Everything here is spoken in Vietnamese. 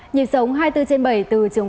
nhiệm sống hai mươi bốn trên bảy từ trường quang